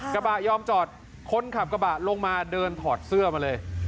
กระบะยอมจอดคนขับกระบะลงมาเดินถอดเสื้อมาเลย